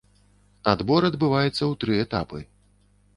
Адбор адбываецца ў тры этапы.